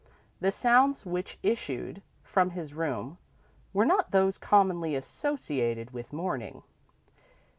The sounds which issued from his room were not those commonly associated with mourning.